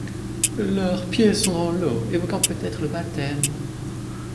Leurs pieds sont dans l'eau, évoquant peut-être le baptême.